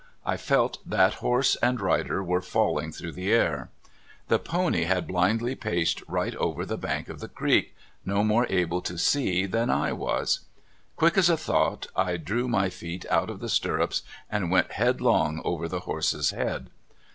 I felt that horse and rider were falling through the air. The pony had blindly paced right over the bank of the creek, no more able to see than I was. Quick as a thought I drew my feet out of the stirrups, and went headlong over the horse's head.